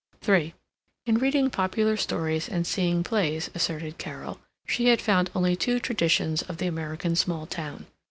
III In reading popular stories and seeing plays, asserted Carol, she had found only two traditions of the American small town.